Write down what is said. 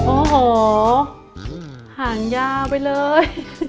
โอ้โหห่างยาวไปเลย